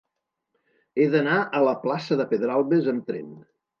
He d'anar a la plaça de Pedralbes amb tren.